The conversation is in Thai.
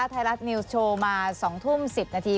ไทยรัฐนิวส์โชว์มา๒ทุ่ม๑๐นาที